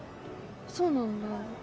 そうなんだ？